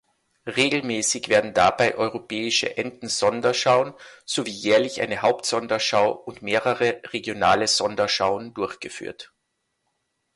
Regelmäßig werden dabei Europäische Entensonderschauen sowie jährlich eine Hauptsonderschau und mehrere regionale Sonderschauen durchgeführt.